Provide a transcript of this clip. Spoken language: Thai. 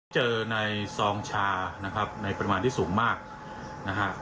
เจอในซองชานะครับในปริมาณที่สูงมากนะฮะ